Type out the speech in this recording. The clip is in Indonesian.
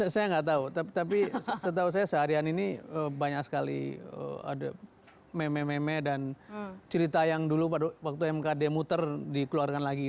saya nggak tahu tapi setahu saya seharian ini banyak sekali ada meme meme dan cerita yang dulu pada waktu mkd muter dikeluarkan lagi